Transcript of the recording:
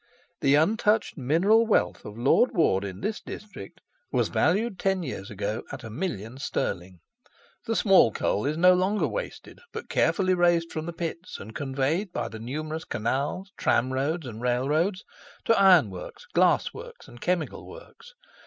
The untouched mineral wealth of Lord Ward in this district was valued, ten years ago, at a million sterling. The small coal is no longer wasted, but carefully raised from the pits and conveyed by the numerous canals, tram roads, and railroads, to iron works, glass works, and chemical works.